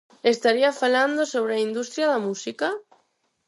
Estaría falando sobre a industria da música?